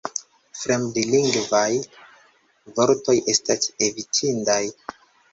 Fremdlingvaj vortoj estas evitindaj.